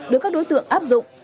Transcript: được các đối tượng áp dụng